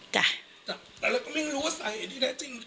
แต่เราก็ไม่รู้ว่าใส่ไอ้ที่นั้นจริง